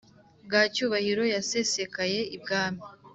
bwa cyubahiro yasesekaye ibwami.